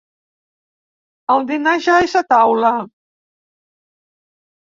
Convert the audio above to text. El dinar ja és a taula.